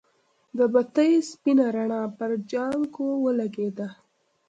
د بتۍ سپينه رڼا پر جانکو ولګېده.